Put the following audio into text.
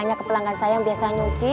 banyak ke pelanggan saya yang biasa nyuci